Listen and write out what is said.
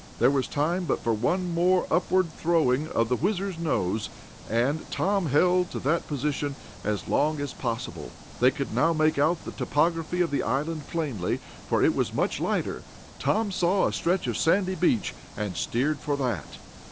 There was time but for one more upward throwing of the WHIZZER's nose, and Tom held to that position as long as possible. They could now make out the topography of the island plainly, for it was much lighter. Tom saw a stretch of sandy beach, and steered for that.